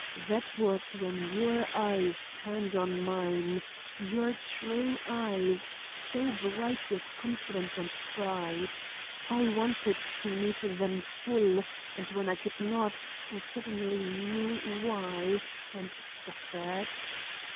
That was when your eyes turned on mine—your true eyes, so bright with confidence and pride. I wanted to meet them full, and when I could not, I suddenly knew why, and suffered.